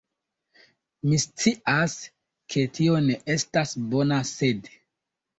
Mi scias, ke tio ne estas bona, sed...